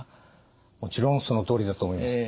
もちろんそのとおりだと思います。